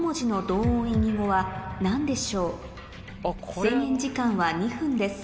制限時間は２分です